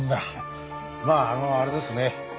まああのあれですね。